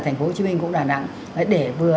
thành phố hồ chí minh cũng đàn ẵng đấy để vừa